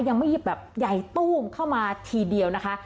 ยังไม่แบบใหญ่ตู้มเข้ามาทีเดียวนะคะ